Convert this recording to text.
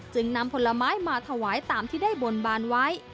จึงนำผลไม้มาถวายตามที่ได้บนบานไว้